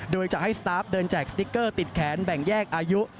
โดยจะให้สตาร์ฟเดินแจกสติ๊กเกอร์ติดแขนแบ่งแยกอายุ